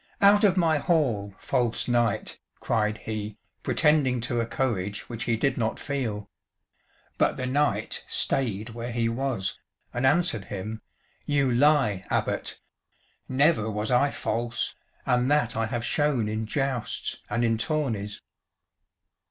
"Out of my hall, false knight!" cried he, pretending to a courage which he did not feel. But the knight stayed where he was, and answered him, "You lie, Abbot. Never was I false, and that I have shown in jousts and in tourneys."